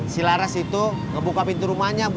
si laras itu ngebuka pintu rumahnya buat ngobrol